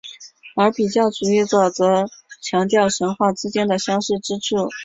而比较主义者则强调神话之间的相似之处。